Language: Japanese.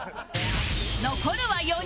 残るは４人